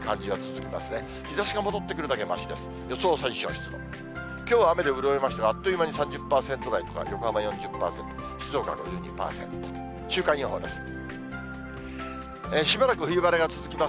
きょうは雨で潤いましたが、あっという間に３０％台とか、横浜４０％、静岡は５２％、週間予報です。